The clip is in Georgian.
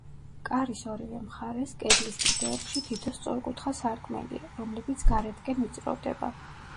კარის ორივე მხარეს, კედლის კიდეებში, თითო სწორკუთხა სარკმელია, რომლებიც გარეთკენ ვიწროვდება.